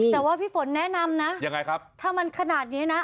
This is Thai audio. แต่ว่าพี่ฝนแนะนำนะถ้ามันขนาดนี้นะ